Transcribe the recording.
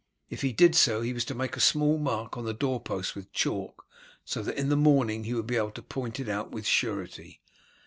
If he did so he was to make a small mark on the door post with chalk, so that in the morning he would be able to point it out with surety.